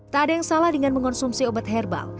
tak ada yang salah dengan mengonsumsi obat herbal